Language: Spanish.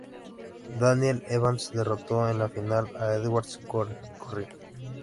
Daniel Evans derrotó en la final a Edward Corrie.